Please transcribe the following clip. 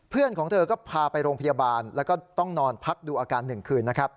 ของเธอก็พาไปโรงพยาบาลแล้วก็ต้องนอนพักดูอาการ๑คืนนะครับ